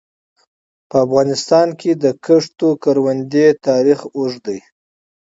په افغانستان کې د زراعت تاریخ اوږد دی.